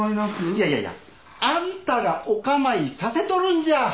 いやいやいやあんたがお構いさせとるんじゃ！